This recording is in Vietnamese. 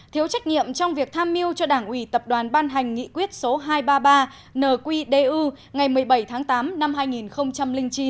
thiếu trách nhiệm trong việc tham mưu cho đảng ủy tập đoàn ban hành nghị quyết số hai trăm ba mươi ba nqdu ngày một mươi bảy tháng tám năm hai nghìn chín